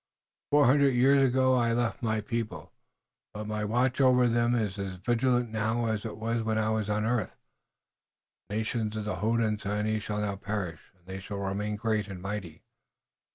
Four hundred years ago I left my people, but my watch over them is as vigilant now as it was when I was on earth. The nations of the Hodenosaunee shall not perish, and they shall remain great and mighty."